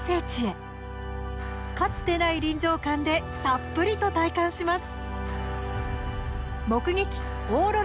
かつてない臨場感でたっぷりと体感します。